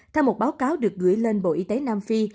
theo một báo cáo được gửi lên bộ y tế nam phi